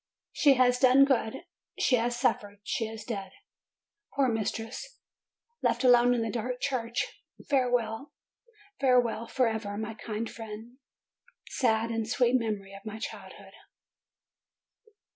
She has done good, she has suffered, she is dead! Poor mistress, left alone in that dark church! Fare well ! Farewell forever, my kind friend, sad and sweet memory of my childhood!